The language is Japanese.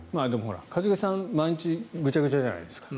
一茂さん、毎日ぐじゃぐじゃじゃないですか。